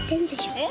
えっ？